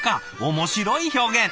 面白い表現！